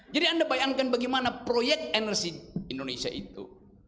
jadi anda bayangkan bagaimana proyek energi indonesia itu